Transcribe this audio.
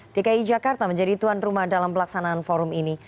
dki jakarta menjadi tuan rumah dalam pelaksanaan forum ini